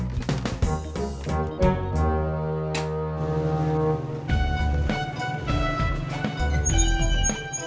biar gak ngantuknya